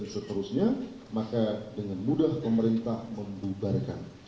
seterusnya maka dengan mudah pemerintah membubarkan